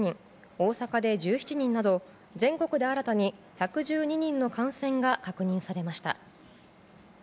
大阪で１７人など全国で、新たに１１２人の感染が確認されました。